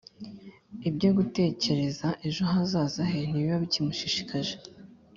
ibyo gutekereza ejo hazaza he ntibiba bikimushishikaje